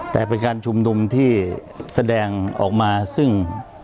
แต่เป็นการชุมนุมที่แสดงออกมาซึ่ง